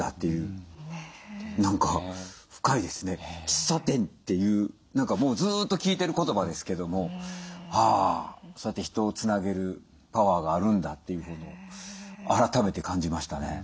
喫茶店っていう何かもうずっと聞いてる言葉ですけどもあそうやって人をつなげるパワーがあるんだというのを改めて感じましたね。